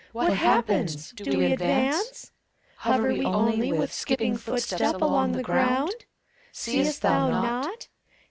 What happens? do we advance? Hover we only with Skipping footstep along the ground? Seest thou naught?